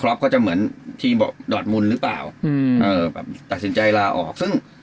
คล็อปก็จะเหมือนกับจรรมุนหรือเปล่าแตกสินใจลาออก